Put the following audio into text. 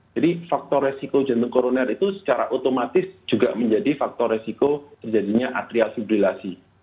jadi faktor resiko jantung koroner itu secara otomatis juga menjadi faktor resiko terjadinya atrial fibrilasi